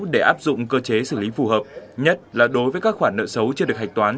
để áp dụng cơ chế xử lý phù hợp nhất là đối với các khoản nợ xấu chưa được hạch toán